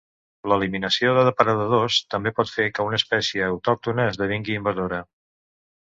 L'eliminació de depredadors també pot fer que una espècie autòctona esdevingui invasora.